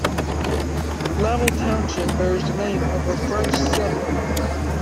Lavell Township bears the name of a French settler.